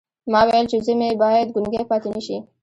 ما ویل چې زوی مې باید ګونګی پاتې نه شي